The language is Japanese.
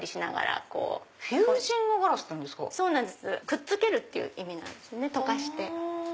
くっつけるっていう意味なんです溶かして。